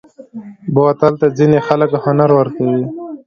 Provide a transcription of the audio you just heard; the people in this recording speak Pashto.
بوتل ته ځینې خلک هنر ورکوي.